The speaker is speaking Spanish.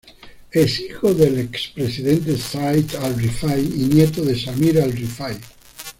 Es hijo del expresidente Zaid al-Rifai y nieto de Samir al-Rifai.